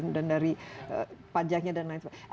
dan dari pajaknya dan lain sebagainya